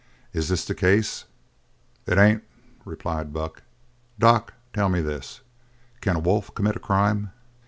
Is this the case?" "It ain't," replied Buck. "Doc, tell me this: Can a wolf commit a crime?"